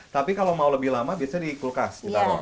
tapi kalau mau lebih lama bisa dikulkas kita tahu